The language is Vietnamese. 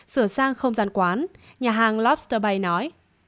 sửa sang không gian quán nhà hàng lobster bay nói